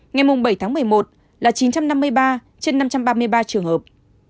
ngày bảy tháng một mươi một là chín trăm năm mươi ba trên năm trăm ba mươi ba trường hợp